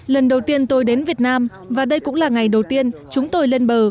lần đầu tiên tôi đến việt nam và đây cũng là ngày đầu tiên chúng tôi lên bờ